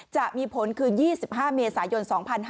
จะมีผลคือ๒๕เมษายน๒๕๕๙